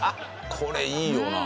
これいいよな。